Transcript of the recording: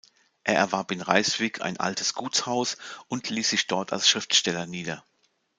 Er erwarb in Rijswijk ein altes Gutshaus und ließ sich dort als Schriftsteller nieder.